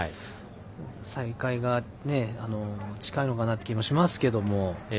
再開が、近いのかなという気がしますけれども。